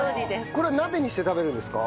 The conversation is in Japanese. これは鍋にして食べるんですか？